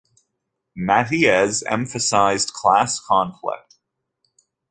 Mathiez emphasized class conflict.